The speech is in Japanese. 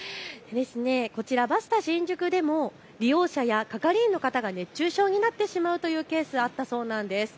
こちらバスタ新宿でも利用者や係員の方が熱中症になってしまうというケースあったそうなんです。